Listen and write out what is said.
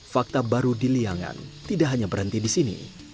fakta baru di liangan tidak hanya berhenti di sini